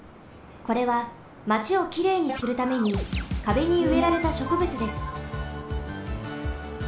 これはマチをきれいにするためにかべにうえられたしょくぶつです。